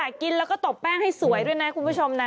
กินแล้วก็ตบแป้งให้สวยด้วยนะคุณผู้ชมนะ